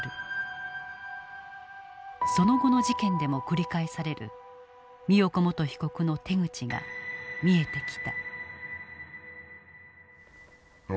その後の事件でも繰り返される美代子元被告の手口が見えてきた。